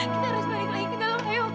kita harus balik lagi ke dalam ayo